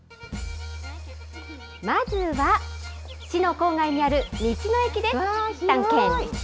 まずは、市の郊外にある道の駅で探検。